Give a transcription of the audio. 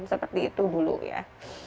seperti itu dulu ya